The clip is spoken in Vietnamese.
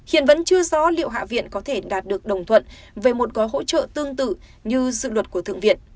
hiện vẫn chưa rõ liệu hạ viện có thể đạt được đồng thuận về một gói hỗ trợ tương tự như dự luật của thượng viện